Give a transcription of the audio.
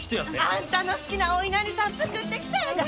あんたの好きなおいなりさん作ってきたんやで。